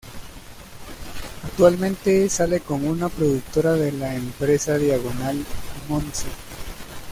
Actualmente sale con una productora de la empresa Diagonal, Montse.